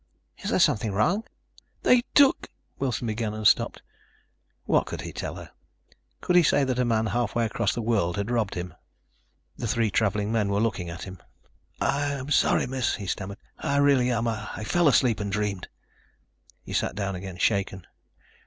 "Is there something wrong?" "They took ..." Wilson began and stopped. What could he tell her? Could he say that a man half way across the world had robbed him? The three traveling men were looking at him. "I'm sorry, miss," he stammered. "I really am. I fell asleep and dreamed." He sat down again, shaken.